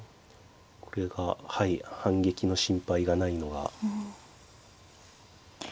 これがはい反撃の心配がないのが。